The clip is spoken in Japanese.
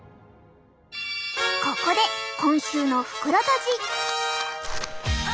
ここで今週の袋とじ！